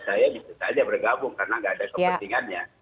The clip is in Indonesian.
saya bisa saja bergabung karena gak ada kepentingannya